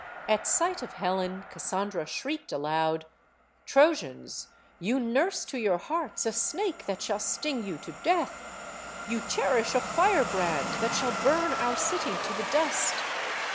At sight of Helen, Cassandra shrieked aloud: HELEN OF TROY 73 'Trojans, you nurse to your hearts a snake that shall sting you to death! You cherish a firebrand that shall burn our city to the dust!"